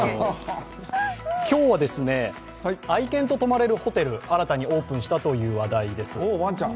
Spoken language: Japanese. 今日は、愛犬と泊まれるホテルが新たにオープンしたという話題です。